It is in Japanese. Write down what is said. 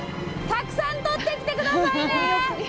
たくさんとってきて下さいね。